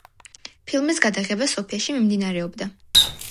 ფილმის გადაღება სოფიაში მიმდინარეობდა.